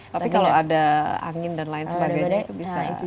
tapi kalau ada angin dan lain sebagainya itu bisa